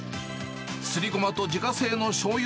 すりゴマと自家製のしょうゆ